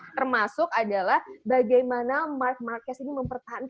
termasuk adalah bagaimana mark marquez ini mempertahankan